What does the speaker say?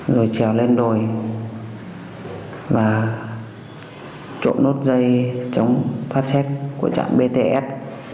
rồi trèo lên đồi và trộm nốt dây chống phá xét của trạm bts